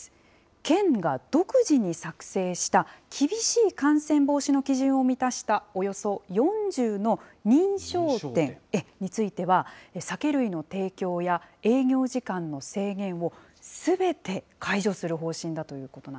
県が独自に作成した厳しい感染防止の基準を満たしたおよそ４０の認証店については、酒類の提供や営業時間の制限をすべて解除する方針だということな